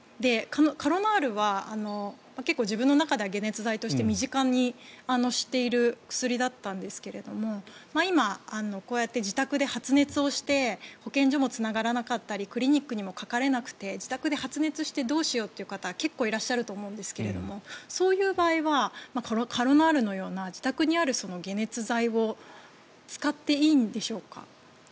カロナールは結構、自分の中では解熱剤として身近に知っている薬だったんですが今、こうやって自宅で発熱をして保健所もつながらなかったりクリニックにもかからなくて自宅で発熱してどうしようという方は結構いらっしゃると思うんですがそういう場合はカロナールのような自宅にある解熱剤を使っていいんでしょうか？